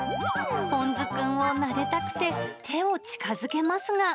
ぽんずくんをなでたくて手を近づけますが。